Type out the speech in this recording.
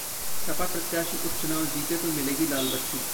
सपा प्रत्याशी उपचुनाव जीते तो मिलेगी लालबत्ती!